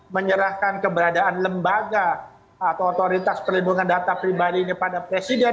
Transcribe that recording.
menyerahkan keberadaan lembaga atau otoritas perlindungan data pribadi ini pada presiden